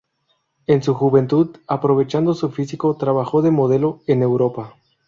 En su juventud aprovechando su físico trabajó de modelo en Europa.